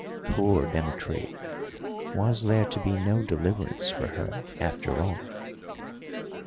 Poor Demetria, was there to be no deliverance for her after all!